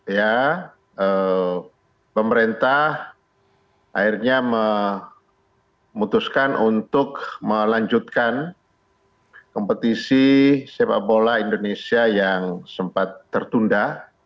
ya pemerintah akhirnya memutuskan untuk melanjutkan kompetisi sepak bola indonesia yang sempat tertunda